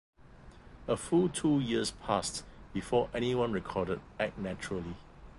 A full two years passed before anyone recorded "Act Naturally".